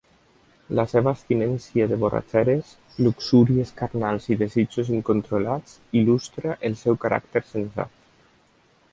La seva abstinència de borratxeres, luxúries carnals i desitjos incontrolats il·lustra el seu caràcter sensat.